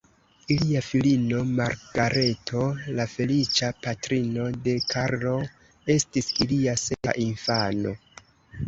Ilia filino Margareto, la feliĉa patrino de Karlo, estis ilia sepa infano.